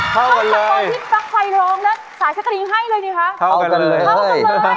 เข้าจากตอนที่ปลั๊กไฟร้องแล้วสายสตรีให้เลยดิคะเข้ากันเลยเข้ากันเลย